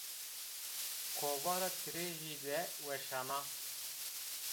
Kovara Tîrêjî de weşana.